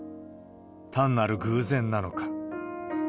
単なる偶然なのか。